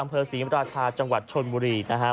ปรศรีราชาจังหวัดชลบุรีนะฮะ